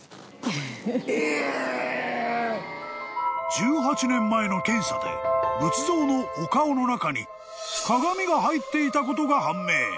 ［１８年前の検査で仏像のお顔の中に鏡が入っていたことが判明］